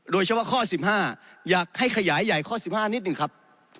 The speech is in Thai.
โดยเฉพาะข้อ๑๕อยากให้ขยายใหญ่ข้อ๑๕นิดหนึ่งครับ